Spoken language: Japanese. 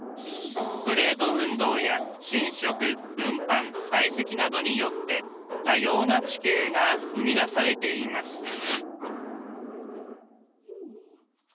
プレート運動や侵食運搬堆積などによって多様な地形が生み出されています。